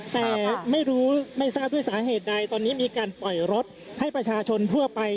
แต่ไม่รู้ไม่ทราบด้วยสาเหตุใดตอนนี้มีการปล่อยรถให้ประชาชนทั่วไป